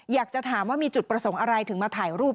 อยากจะถามว่ามีจุดประสงค์อะไรถึงมาถ่ายรูป